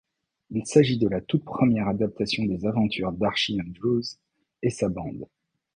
Il s'agit de la toute première adaptation des aventures d'Archie Andrews et sa bande.